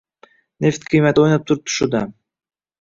“Neft qiymati o’ynab turibdi shu dam